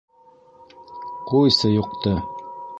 — Ҡуйсы, юҡты.